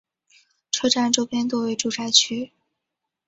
车站周边多为住宅区。